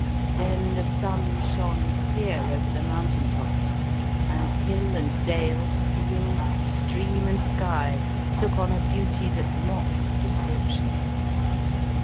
Then the sun shone clear over the mountain tops, and hill and dale, field, stream, and sky took on a beauty that mocks descrip tion.